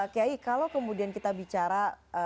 kaya i kalau kemudian kita bicara